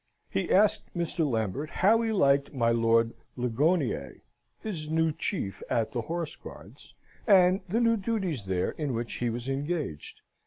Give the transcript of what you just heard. He asked Mr. Lambert how he liked my Lord Ligonier, his new chief at the Horse Guards, and the new duties there in which he was engaged?